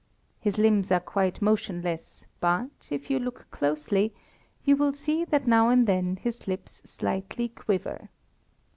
His limbs are quite motionless; but, if you look closely, you will see that now and then his lips slightly quiver.